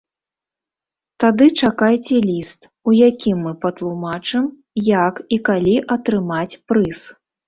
Тады чакайце ліст, у якім мы патлумачым, як і калі атрымаць прыз.